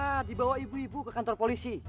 ya dibawa ibu ibu ke kantor polisi